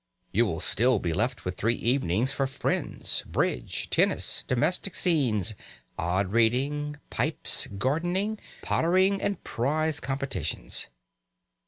You will still be left with three evenings for friends, bridge, tennis, domestic scenes, odd reading, pipes, gardening, pottering, and prize competitions.